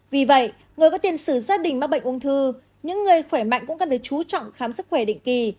vì vậy người có tiền sử gia đình mắc bệnh ung thư những người khỏe mạnh cũng cần phải chú trọng khám sức khỏe định kỳ